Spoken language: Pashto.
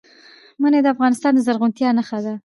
منی د افغانستان د زرغونتیا نښه ده.